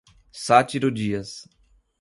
Sátiro Dias